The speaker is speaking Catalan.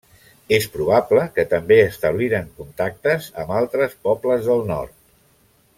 És probable que també establiren contactes amb altres pobles del nord.